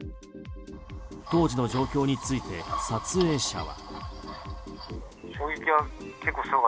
当時の状況について撮影者は。